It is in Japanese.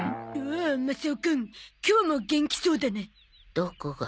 どこが。